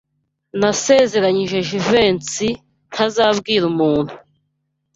Nasezeranije Jivency ntazabwira umuntu.